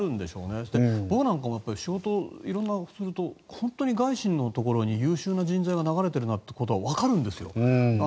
そして、僕なんかも仕事が本当に外資のところに優秀な人材が流れているなってことは分かるんですよ